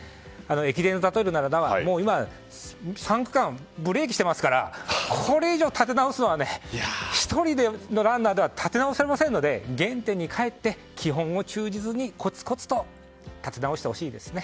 駅伝で例えるなら３区間がブレーキしていますからこれ以上立て直すのは１人のランナーでは立て直せませんので原点に帰って基本を忠実にコツコツと立て直してほしいですね。